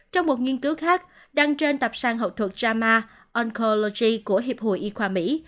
trong một nghiên cứu khác đăng trên tập sang học thuật jama oncology của hiệp hội y khoa mỹ